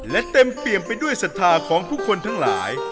และเต็มเปี่ยมไปด้วยศรัทธาของผู้คนทั้งหลาย